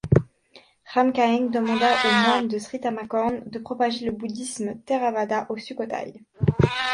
Ramkhamhaeng demanda aux moines de Sri Thamnakorn de propager le bouddhisme theravada à Sukhothaï.